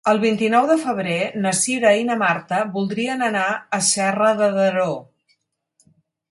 El vint-i-nou de febrer na Cira i na Marta voldrien anar a Serra de Daró.